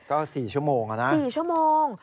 ก็๔ชั่วโมง